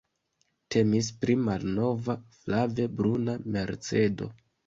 Temis pri malnova flave bruna Mercedo.